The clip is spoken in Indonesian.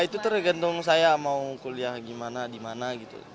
itu tergantung saya mau kuliah gimana dimana gitu